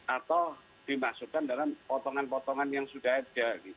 atau dimasukkan dalam potongan potongan yang sudah ada